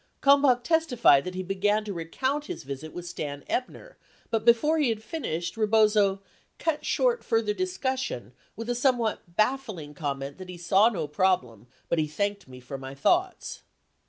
Kalmbach testified that he began to recount his visit with Stan Ebner, but before he had finished, Rebozo "cut short further discussion with a somewhat baffling com ment that he saw no problem but he thanked me for my thoughts."